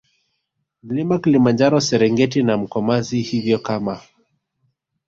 Mlima Kilimanjaro Serengeti na Mkomazi Hivyo kama